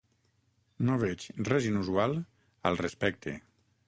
No veig res inusual al respecte.